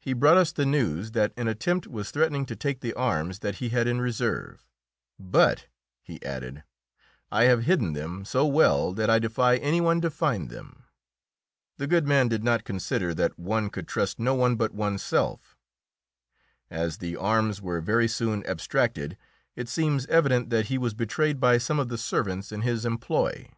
He brought us the news that an attempt was threatening to take the arms that he had in reserve, "But," he added, "I have hidden them so well that I defy any one to find them." The good man did not consider that one could trust no one but oneself. As the arms were very soon abstracted, it seems evident that he was betrayed by some of the servants in his employ.